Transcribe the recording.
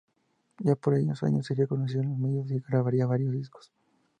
Ya por esos años sería conocido en los medios, y grabaría varios discos.